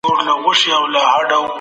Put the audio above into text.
اپوزیسیون پر حکومت څنګه نیوکه کوي؟